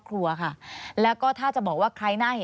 ควิทยาลัยเชียร์สวัสดีครับ